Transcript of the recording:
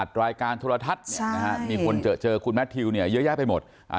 อัดรายการโทรทัศน์ใช่มีคนเจอคุณเนี้ยเยอะย้ายไปหมดอ่า